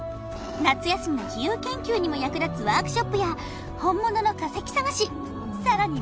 夏休みの自由研究にも役立つワークショップや本物の化石探しさらに